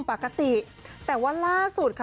ปกติแต่ว่าล่าสุดค่ะ